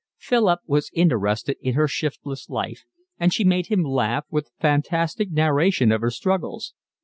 Philip was interested in her shiftless life, and she made him laugh with the fantastic narration of her struggles.